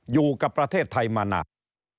อยู่กับประเทศไทยมานาน